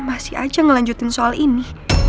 masih aja ngelanjutin soal ini